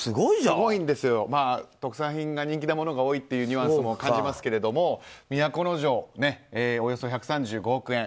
特産品が人気なものが多いというニュアンスも感じますけど、都城市はおよそ１３５億円。